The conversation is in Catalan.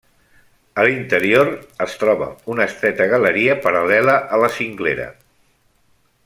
A l'interior, es troba una estreta galeria paral·lela a la cinglera.